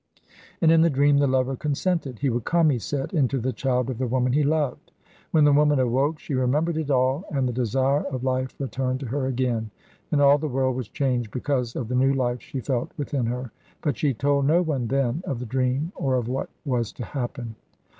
And in the dream the lover consented. He would come, he said, into the child of the woman he loved. When the woman awoke she remembered it all, and the desire of life returned to her again, and all the world was changed because of the new life she felt within her. But she told no one then of the dream or of what was to happen.